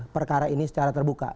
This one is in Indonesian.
perkara ini secara terbuka